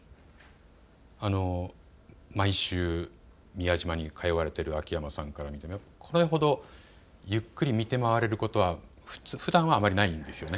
毎週宮島に通われている秋山さんから見てもこれほどゆっくり見て回れることはふだんはあまりないんですよね。